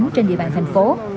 trên địa bàn thành phố